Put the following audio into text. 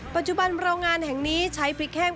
ปัจจุบันโรงงานแห่งนี้ใช้พริกแห้ง